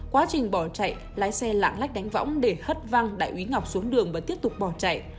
quá trình bỏ chạy lái xe lạng lách đánh võng để hất văng đại úy ngọc xuống đường và tiếp tục bỏ chạy